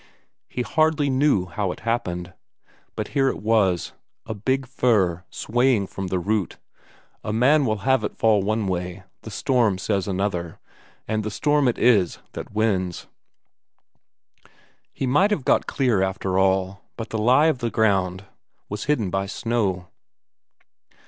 He hardly knew how it happened but there it was. A big fir swaying from the root: a man will have it fall one way, the storm says another and the storm it is that wins. He might have got clear after all, but the lie of the ground was hidden by snow.